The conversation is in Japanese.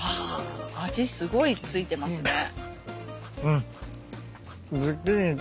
味すごい付いてますね。